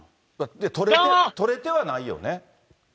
捕れてはないよね？